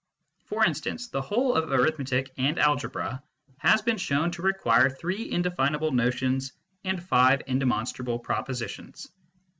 For instance, the whole of Arithmetic and Algebra has been shown to require three indefinable notions and five indemonstrable propositions.